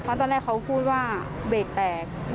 เพราะตอนแรกเขาพูดว่าเบรกแตก